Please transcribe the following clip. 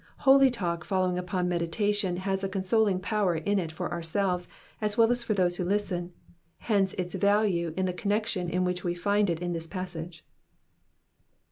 Holy talk following upon meditation has a consoling power in it for ourselves as well as for those who listen, hence its value in the connection in which we find it in this passage.